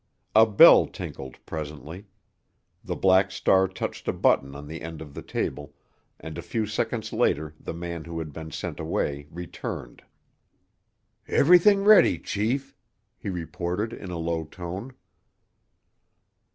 A bell tinkled presently; the Black Star touched a button on the end of the table, and a few seconds later the man who had been sent away returned. "Everything ready, chief," he reported in a low tone.